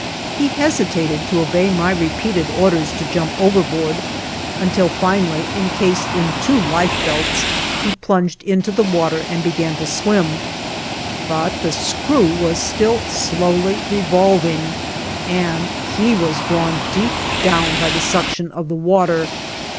He hesitated to obey my repeated orders to jump overboard, until finally encased in two life belts he plunged into the water and began to swim; but the screw was still slowly revolving, and he was drawn deep down by the suction of the water.